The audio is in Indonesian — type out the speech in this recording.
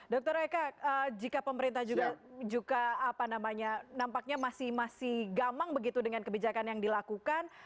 dr eka jika pemerintah juga apa namanya nampaknya masih gamang begitu dengan kebijakan yang dilakukan